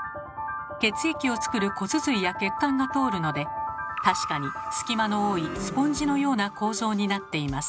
血液を作る骨髄や血管が通るので確かに隙間の多いスポンジのような構造になっています。